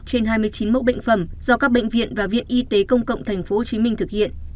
trên hai mươi chín mẫu bệnh phẩm do các bệnh viện và viện y tế công cộng thành phố hồ chí minh thực hiện